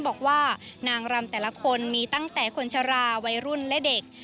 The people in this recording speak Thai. บอกว่านางรำแต่ละคนมีตั้งแต่คนชะลาวัยรุ่นและเด็ก